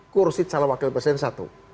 kurusi calon wakil presiden itu satu